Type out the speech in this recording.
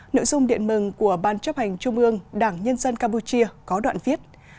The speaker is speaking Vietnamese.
nội dung điện mừng của ban chấp hành trung ương đảng nhân dân campuchia có đoạn viết